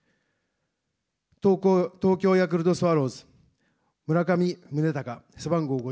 東京ヤクルトスワローズ、村上宗隆、背番号５５。